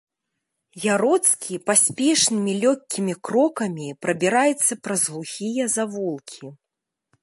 Яроцкі паспешнымі лёгкімі крокамі прабіраецца праз глухія завулкі.